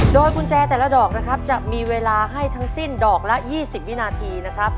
โดยกุญแจแต่ละดอกนะครับจะมีเวลาให้ทั้งสิ้นดอกละ๒๐วินาทีนะครับ